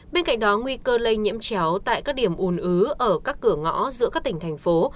bên cạnh đó nguy cơ lây nhiễm chéo tại các điểm ùn ứ ở các cửa ngõ giữa các tỉnh thành phố